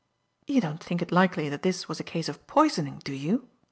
"You don't think it likely that this was a case of poisoning, do you?"